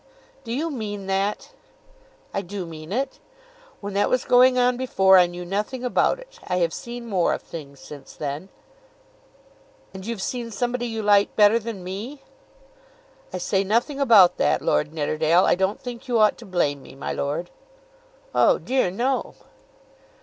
"Do you mean that?" "I do mean it. When that was going on before I knew nothing about it. I have seen more of things since then." "And you've seen somebody you like better than me?" "I say nothing about that, Lord Nidderdale. I don't think you ought to blame me, my lord." "Oh dear no."